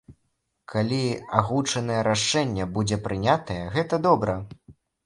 Калі агучанае рашэнне будзе прынятае, гэта добра.